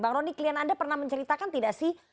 bang rony klien anda pernah menceritakan tidak sih